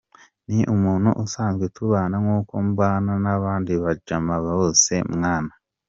Ni umuntu usanzwe tubana nk’uko mbana n’abandi bajama bose mwana!!”.